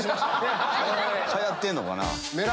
流行ってんのかな。